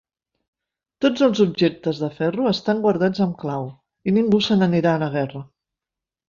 Tots els objectes de ferro estan guardats amb clau i ningú se n'anirà a la guerra.